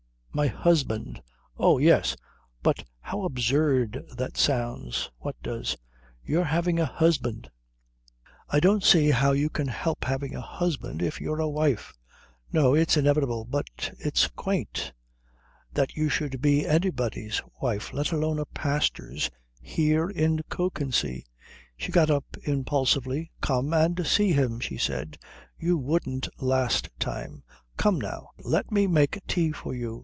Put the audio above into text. "My husband." "Oh, yes. But how absurd that sounds!" "What does?" "Your having a husband." "I don't see how you can help having a husband if you're a wife." "No. It's inevitable. But it's quaint. That you should be anybody's wife, let alone a pastor's. Here in Kökensee." She got up impulsively. "Come and see him," she said. "You wouldn't last time. Come now. Let me make tea for you.